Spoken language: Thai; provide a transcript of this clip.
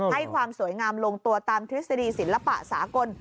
ให้ความสวยงามลงตัวตามทฤษฎีศิลปะสากล